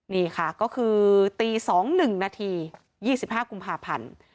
นี่ค่ะก็คือตีสองหนึ่งนาทียี่สิบห้ากุมภาพันธ์